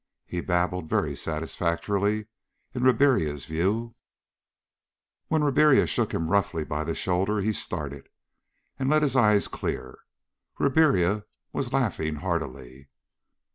He babbled very satisfactorily, in Ribiera's view. When Ribiera shook him roughly by the shoulder he started, and let his eyes clear. Ribiera was laughing heartily.